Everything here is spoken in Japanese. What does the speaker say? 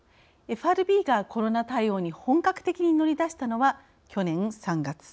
ＦＲＢがコロナ対応に本格的に乗り出したのは去年３月。